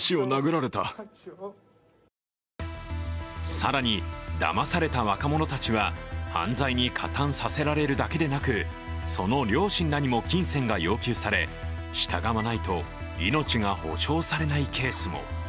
更に、だまされた若者たちは犯罪に加担させられるだけでなくその両親らにも金銭が要求され従わないと命が保証されないケースも。